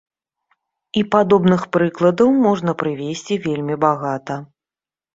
І падобных прыкладаў можна прывесці вельмі багата.